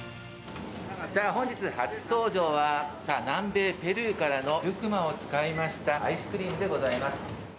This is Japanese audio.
さあ、本日初登場は、南米ペルーからのルクマを使いましたアイスクリームでございます。